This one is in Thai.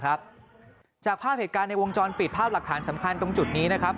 ภาพจากภาพเหตุการณ์ในวงจรปิดภาพหลักฐานสำคัญตรงจุดนี้นะครับ